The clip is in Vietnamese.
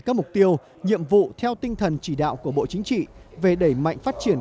các mục tiêu nhiệm vụ theo tinh thần chỉ đạo của bộ chính trị về đẩy mạnh phát triển